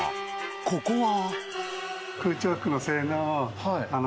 ここは？